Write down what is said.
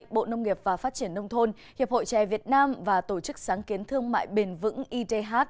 bộ nông nghiệp và phát triển nông thôn hiệp hội trè việt nam và tổ chức sáng kiến thương mại bền vững idh